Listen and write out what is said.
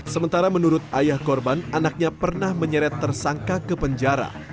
sementara menurut ayah korban anaknya pernah menyeret tersangka ke penjara